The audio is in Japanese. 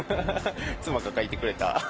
妻が描いてくれた。